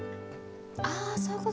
あそういうこと。